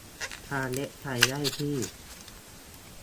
ทางเว็บไซต์ได้ที่